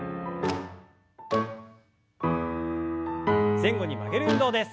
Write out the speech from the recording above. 前後に曲げる運動です。